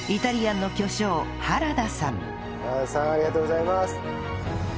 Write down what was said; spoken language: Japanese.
原田さんありがとうございます。